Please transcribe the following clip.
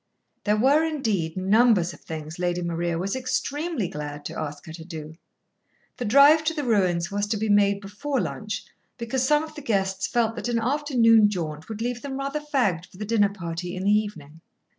There were, indeed, numbers of things Lady Maria was extremely glad to ask her to do. The drive to the ruins was to be made before lunch, because some of the guests felt that an afternoon jaunt would leave them rather fagged for the dinner party in the evening.